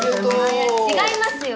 違いますよ。